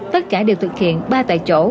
tất cả đều thực hiện ba tại chỗ